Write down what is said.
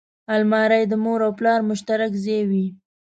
الماري د مور او پلار مشترک ځای وي